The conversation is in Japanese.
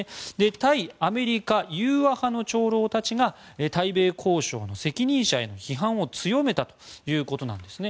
対アメリカ融和派の長老たちが対米交渉の責任者への批判を強めたということなんですね。